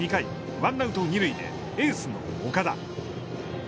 ワンアウト、二塁で、エースの岡田。